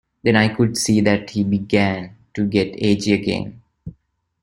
Then I could see that he began to get edgy again.